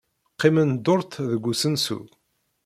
Qqimen dduṛt deg usensu.